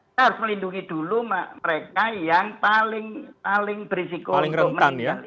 karena kita harus melindungi dulu mereka yang paling berisiko komorbid